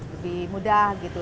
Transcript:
lebih mudah gitu